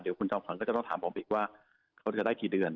เดี๋ยวคุณจอมขวัญก็จะต้องถามผมอีกว่าเขาจะได้กี่เดือน